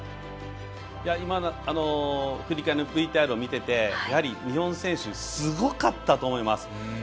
振り返りのＶＴＲを見ててやはり日本選手すごかったと思います。